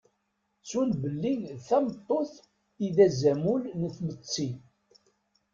Ttun belli d tameṭṭut i d azamul n tmetti.